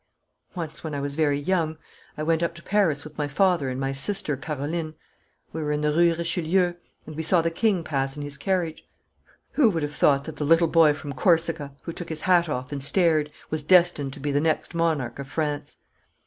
Once, when I was very young, I went up to Paris with my father and my sister Caroline. We were in the Rue Richelieu, and we saw the king pass in his carriage. Who would have thought that the little boy from Corsica, who took his hat off and stared, was destined to be the next monarch of France?